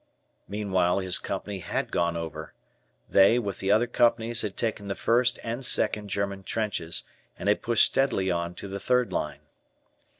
Meanwhile his Company had gone "over." They, with the other companies had taken the first and second German trenches, and had pushed steadily on to the third line.